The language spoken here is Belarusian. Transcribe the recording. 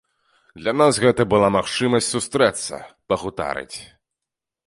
Для нас гэта была магчымасць сустрэцца, пагутарыць.